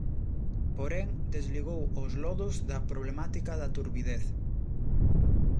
Porén, desligou os lodos da problemática da turbidez.